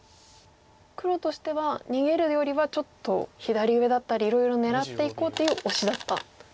黒としては逃げるよりはちょっと左上だったりいろいろ狙っていこうっていうオシだったんですね。